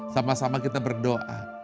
sama sama kita berdoa